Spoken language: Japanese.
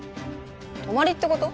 泊まりってこと？